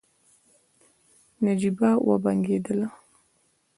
نجيبه وبنګېدله.